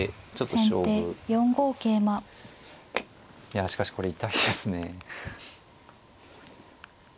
いやしかしこれ痛いですね。